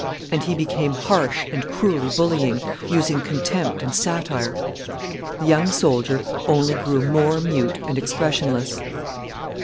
And he became harsh and cruelly bullying, using contempt and satire. The young soldier only grew more mute and expressionless.